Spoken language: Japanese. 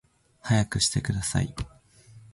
速くしてください